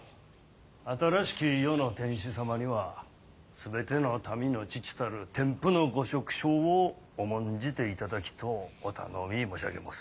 新しき世の天子様には全ての民の父たる天賦の御職掌を重んじていただきとうお頼みもしゃげもす。